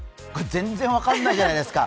全然分からないじゃないですか。